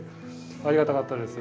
ありがたかったです。